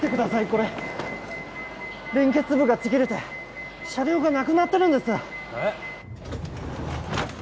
これ連結部がちぎれて車両がなくなってるんですえっ？